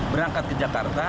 berangkat ke jakarta